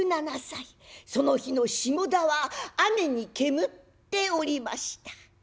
その日の下田は雨に煙っておりました。